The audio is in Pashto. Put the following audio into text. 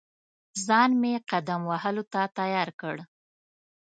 ځان مې قدم وهلو ته تیار کړ.